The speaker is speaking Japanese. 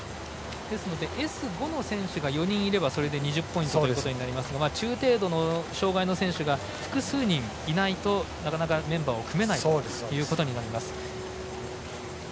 Ｓ５の選手が４人いれば２０ポイントとなりますが中程度の障がいの選手が複数人いないとなかなか、メンバーを組めないということになります。